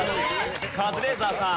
カズレーザーさん。